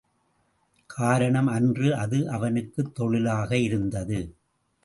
காரணம், அன்று அது அவனுக்குத் தொழிலாக இருந்தது.